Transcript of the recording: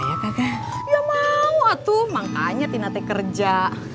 ya mau atuh makanya tinate kerja